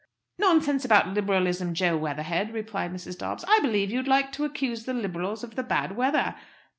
"Nonsense about Liberalism, Jo Weatherhead," replied Mrs. Dobbs. "I believe you'd like to accuse the Liberals of the bad weather.